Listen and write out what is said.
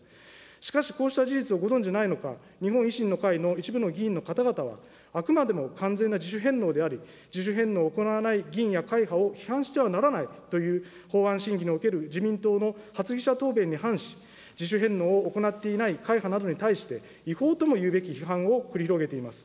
しかしこうした事実をご存じないのか、日本維新の会の一部の議員の方々は、あくまでも完全な自主返納であり、自主返納を行わない議員や会派を批判してはならないという、法案審議における自民党の発議者答弁に反し、自主返納を行っていない会派などに対して、違法ともいうべき批判を繰り広げています。